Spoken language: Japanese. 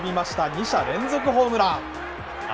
２者連続ホームラン。